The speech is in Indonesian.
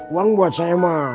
uang buat si emma